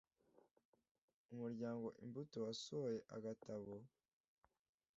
Umuryango Imbuto wasohoye agatabo